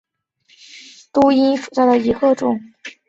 肿柄杜英为杜英科杜英属下的一个种。